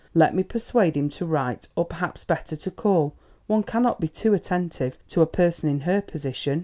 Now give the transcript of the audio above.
Let me persuade him to write or perhaps better to call; one cannot be too attentive to a person in her position."